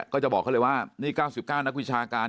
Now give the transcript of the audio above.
ก็จะบอกเขาเลยว่านี่๙๙นักวิชาการ